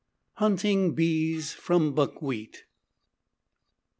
HUNTING BEES FROM BUCKWHEAT.